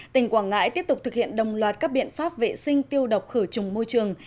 tỉnh quảng ngãi tiếp tục thực hiện đồng loạt các biện pháp vệ sinh tiêu độc khử trùng môi trường